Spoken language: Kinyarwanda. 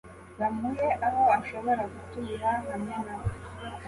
bamuhe aho ashobora gutura hamwe na bo